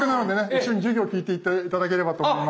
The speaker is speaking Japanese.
一緒に授業聞いていって頂ければと思います。